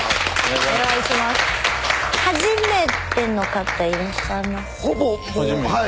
初めての方いらっしゃいます？